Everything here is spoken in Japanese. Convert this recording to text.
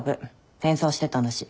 変装してたんだし。